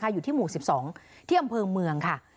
อยู่ที่หมู่๑๒ที่อำเภอเมืองค่ะ